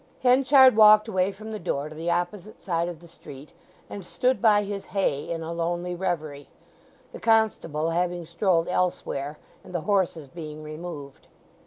Henchard walked away from the door to the opposite side of the street, and stood by his hay in a lonely reverie, the constable having strolled elsewhere, and the horses being removed.